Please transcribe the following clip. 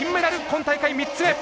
今大会３つ目。